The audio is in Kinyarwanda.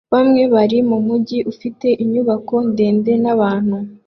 Bamwe bari mumujyi ufite inyubako ndende n'abantu